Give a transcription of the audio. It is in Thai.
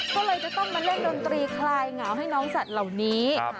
ก็เลยจะต้องมาเล่นดนตรีคลายเหงาให้น้องสัตว์เหล่านี้